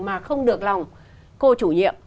mà không được lòng cô chủ nhiệm